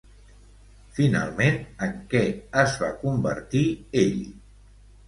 Finalment, en què es va convertir ell?